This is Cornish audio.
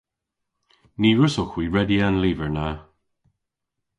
Ny wrussowgh hwi redya an lyver na.